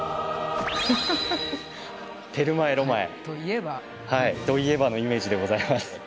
といえばのイメージでございます。